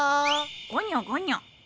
ごにょごにょ。